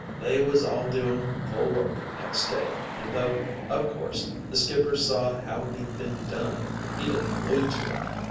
"They was all doing full work next day, an' though, o' course, the skipper saw how he'd been done, he didn't allude to it.